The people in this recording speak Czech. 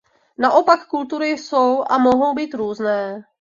Naopak kultury jsou a mohou být různé.